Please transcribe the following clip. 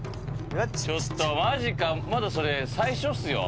ちょっとマジかまだそれ最初っすよ。